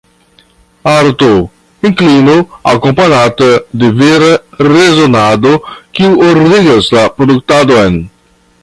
Arto: inklino akompanata de vera rezonado kiu ordigas la produktadon.